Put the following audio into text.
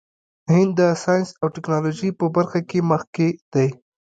هند د ساینس او ټیکنالوژۍ په برخه کې مخکې دی.